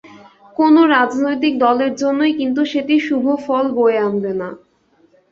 কোনো রাজনৈতিক দলের জন্যই কিন্তু সেটি শুভ ফল বয়ে আনবে না।